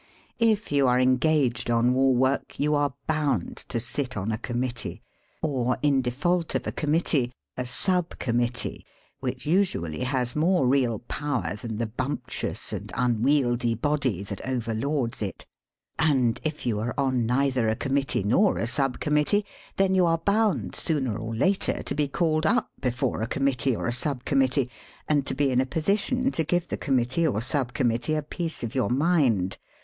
If you are engaged on war work you are bound to sit on a Committee ; or, in default of 32 SELF AND SELF MANAGEMENT a Committee, a Sub Committee (which usually has more real power than the bumptious and un wieldly body that overlords it). And, if you are on neither a Committee nor a Sub Committee, then you are bound sooner or later to be called up before a Committee or a Sub Committee, and to be in a position to give the Committee or Sub Committee a piece of your mind.